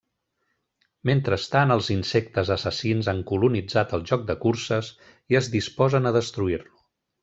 Mentrestant, els insectes assassins han colonitzat el joc de curses, i es disposen a destruir-lo.